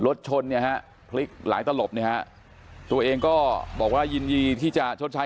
รถชนเนี่ยฮะพลิกหลายตลบเนี่ยฮะตัวเองก็บอกว่ายินดีที่จะชดใช้